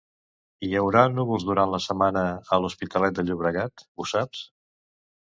Hi haurà núvols durant la setmana a l'Hospitalet de Llobregat, ho saps?